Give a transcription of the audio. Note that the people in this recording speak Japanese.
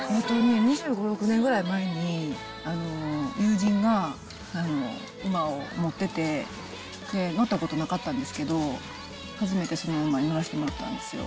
２５、６年ぐらい前に、友人が馬を持ってて、乗ったことなかったんですけど、初めてその馬に乗らせてもらったんですよ。